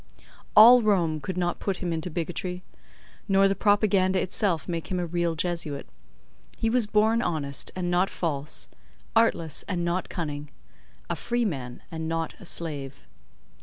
'" All Rome could not put into him bigotry, nor the Propaganda itself make him a real Jesuit. He was born honest, and not false—artless, and not cunning—a freeman, and not a slave.